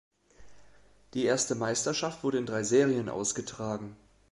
Die erste Meisterschaft wurde in drei Serien ausgetragen.